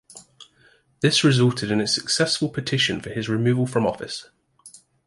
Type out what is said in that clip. This resulted in a successful petition for his removal from office.